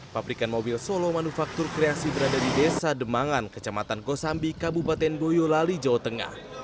pabrikan mobil solo manufaktur kreasi berada di desa demangan kecamatan kosambi kabupaten boyolali jawa tengah